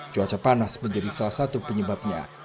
cuaca panas menjadi salah satu penyebabnya